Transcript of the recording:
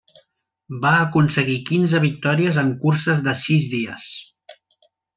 Va aconseguir quinze victòries en curses de sis dies.